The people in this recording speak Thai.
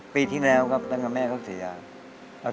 ปีที่แล้วครับตั้งแต่แม่ครับสิทธิ์